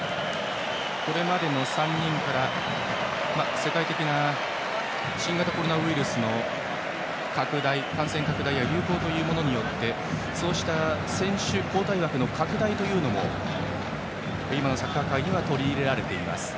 これまでの３人から世界的な新型コロナウイルスの感染拡大、流行というものによりそうした選手交代枠の拡大というのも今のサッカー界には取り入れられています。